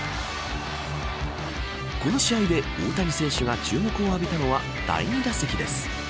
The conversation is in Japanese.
この試合で大谷選手が注目を浴びたのは第２打席です。